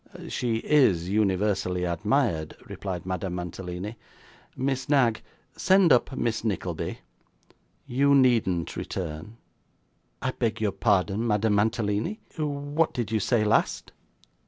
'She IS universally admired,' replied Madame Mantalini. 'Miss Knag, send up Miss Nickleby. You needn't return.' 'I beg your pardon, Madame Mantalini, what did you say last?